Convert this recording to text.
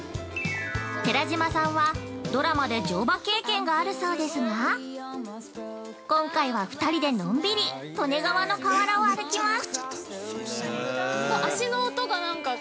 ◆寺島さんはドラマで乗馬経験があるそうですが今回は２人でのんびり、利根川の河原を歩きます。